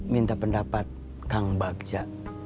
minta pendapat kang bagja